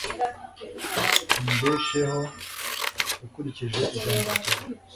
umbesheho ukurikije ijambo ryawe